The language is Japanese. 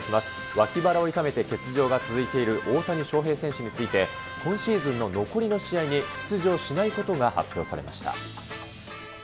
脇腹を痛めて欠場が続いている大谷翔平選手について、今シーズンの残りの試合に出場しないことが発表されました。